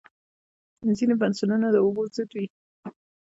ځینې پنسلونه د اوبو ضد وي.